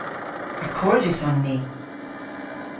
Akordys on ni.